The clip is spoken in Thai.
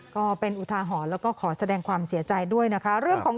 ก็เป็นอุทาหรณ์แล้วก็ขอแสดงความเสียใจด้วยนะคะ